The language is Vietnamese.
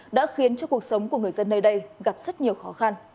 đã khiến cho cuộc sống của người dân nơi đây gặp rất nhiều khó khăn